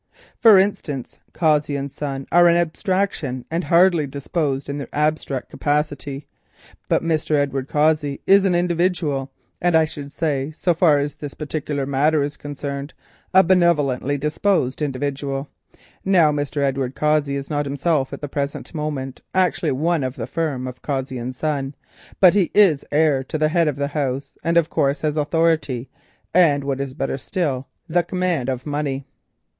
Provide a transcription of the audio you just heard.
For instance, Cossey and Son are an abstraction and harshly disposed in their abstract capacity, but Mr. Edward Cossey is an individual, and I should say, so far as this particular matter is concerned, a benevolently disposed individual. Now Mr. Edward Cossey is not himself at the present moment actually one of the firm of Cossey and Son, but he is the heir of the head of the house, and of course has authority, and, what is better still, the command of money."